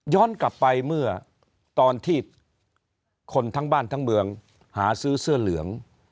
กลับไปเมื่อตอนที่คนทั้งบ้านทั้งเมืองหาซื้อเสื้อเหลือง